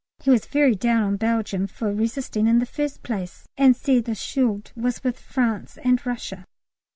He was very down on Belgium for resisting in the first place! and said the Schuld was with France and Russia.